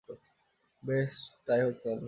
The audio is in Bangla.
বেশ, তাই হোক তাহলে!